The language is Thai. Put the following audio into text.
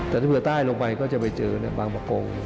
แต่ถ้าเผื่อใต้ลงไปก็จะไปเจอบางประกง